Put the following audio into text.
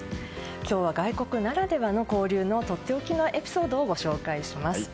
今日は外国ならではの交流のとっておきのエピソードをご紹介します。